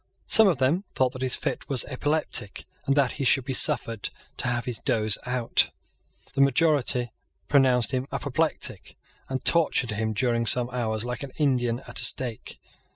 Some of them thought that his fit was epileptic, and that he should be suffered to have his doze out. The majority pronounced him apoplectic, and tortured him during some hours like an Indian at a stake.